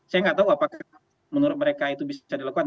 saya nggak tahu apakah menurut mereka itu bisa dilakukan